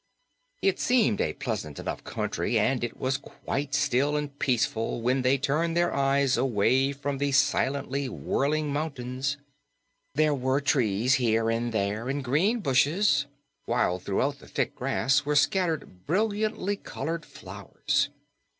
It seemed a pleasant enough country, and it was quite still and peaceful when they turned their eyes away from the silently whirling mountains. There were trees here and there and green bushes, while throughout the thick grass were scattered brilliantly colored flowers.